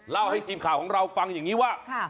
เล่าให้ทีมข่าวของเราฟังอย่างนี้ว่า